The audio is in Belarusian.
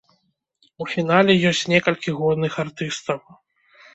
У фінале ёсць некалькі годных артыстаў.